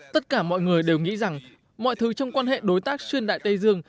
tất cả mọi người đều nghĩ rằng mọi thứ trong quan hệ đối tác xuyên đại tây dương